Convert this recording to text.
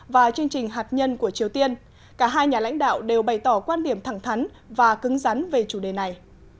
và chương trình hạt nhân của triều tiên cả hai nhà lãnh đạo đều bày tỏ quan điểm thẳng thắn và cứng rắn về chủ đề này